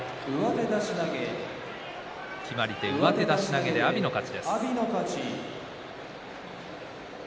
決まり手、上手出し投げで阿炎の勝ち。